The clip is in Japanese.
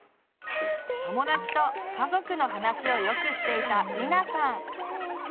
友だちと家族の話をよくしていたミナさん。